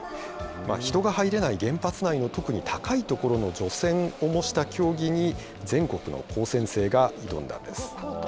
人が入れない原発内の、特に高い所の除染を模した競技に、全国の高専生が挑んだんです。